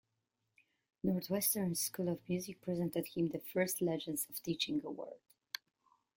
Northwestern's School of Music presented him the first Legends of Teaching award.